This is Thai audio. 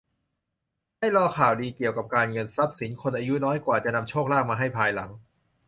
ให้รอข่าวดีเกี่ยวกับการเงิน ทรัพย์สิน คนอายุน้อยกว่าจะนำโชคลาภมาให้ภายหลัง